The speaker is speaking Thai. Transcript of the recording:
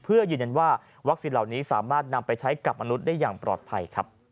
เพื่อยืนยันว่าวัคซีนเหล่านี้สามารถนำไปใช้กับมนุษย์ได้อย่างปลอดภัยครับ